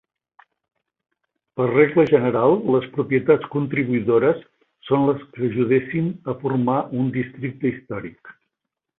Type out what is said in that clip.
Per regla general, les propietats contribuïdores són les que ajudessin a formar un districte històric.